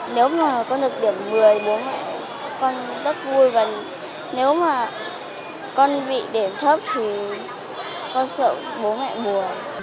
nếu mà con được điểm một mươi thì bố mẹ con rất vui và nếu mà con bị điểm thấp thì con sợ bố mẹ buồn